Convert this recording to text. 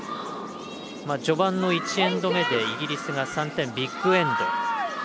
序盤の１エンド目でイギリスが３点ビッグエンド。